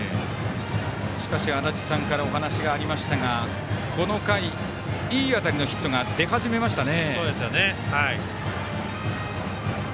しかし足達さんからお話がありましたがいい当たりのヒットが出始めましたね。